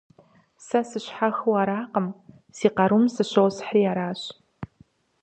Сэ сыщхьэхыу аракъым, си къарум сыщосхьри аращ.